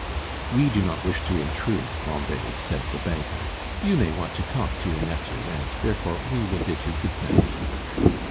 "We do not wish to intrude, Grandet," said the banker; "you may want to talk to your nephew, and therefore we will bid you good night."